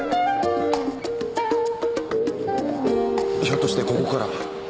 ひょっとしてここから。